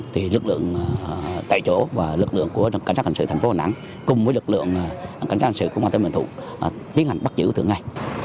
thì lực lượng tại chỗ và lực lượng của cảnh sát hành sự thành phố hồ nắng cùng với lực lượng cảnh sát hành sự của công an tên bình thuận tiến hành bắt giữ tượng này